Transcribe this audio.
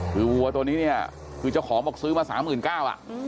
คือวัวตัวนี้เนี่ยคือเจ้าของบอกซื้อมา๓๙๐๐บาท